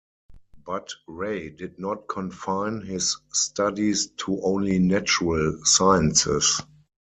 But Ray did not confine his studies to only natural sciences.